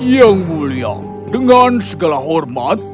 yang mulia dengan segala hormat